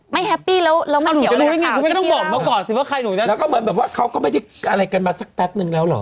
ไม่ต้องบอกเมื่อก่อนสิว่าใครหนูจะแล้วก็เหมือนแบบว่าเขาก็ไม่ได้อะไรกันมาสักแป๊บนึงแล้วหรอ